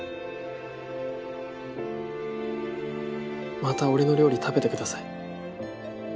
また俺の料理食べてください。